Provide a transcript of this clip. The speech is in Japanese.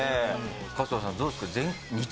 春日さん、どうですか？